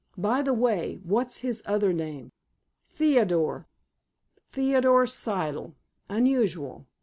By the way, what's his other name?" "Theodore." "Theodore Siddle. Unusual.